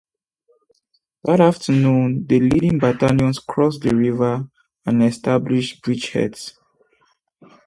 That afternoon the leading battalions crossed the river and established bridgeheads.